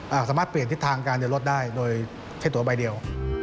สามารถเปลี่ยนทิศทางการเดินรถได้โดยใช้ตัวใบเดียว